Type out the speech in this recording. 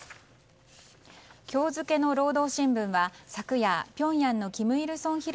今日付の労働新聞は昨夜、ピョンヤンの金日